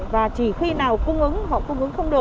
và chỉ khi nào cung ứng họ cung ứng không được